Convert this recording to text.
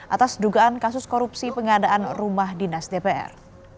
atas dugaan kasus korupsi pengadaan rumah dinas dpr